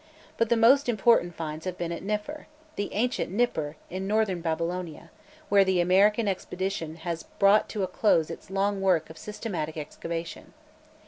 But the most important finds have been at Niffer, the ancient Nippur, in Northern Babylonia, where the American expedition has brought to a close its long work of systematic excavation.